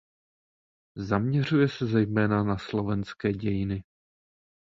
Zaměřuje se zejména na slovenské dějiny.